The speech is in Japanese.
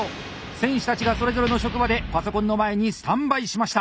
選手たちがそれぞれの職場でパソコンの前にスタンバイしました！